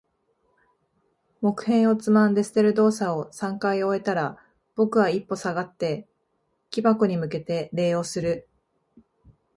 木片をつまんで捨てる動作を三回終えたら、僕は一歩下がって、木箱に向けて礼をする。